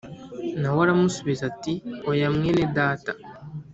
Na we aramusubiza ati “Oya mwene data